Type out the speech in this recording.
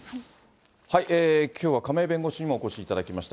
きょうは亀井弁護士にもお越しいただきました。